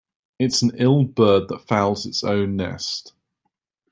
It's an ill bird that fouls its own nest.